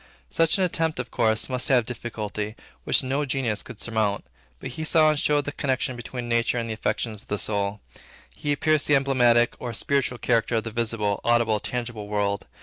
Such an attempt, of course, must have difficulty, which no genius could surmount. But he saw and showed the connection between nature and the affections of the soul. He pierced the emblematic or spiritual character of the visible, audible, tangible world.